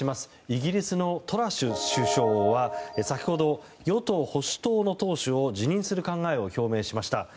イギリスのトラス首相は先ほど、与党・保守党の党首を辞任する考えを表明しました。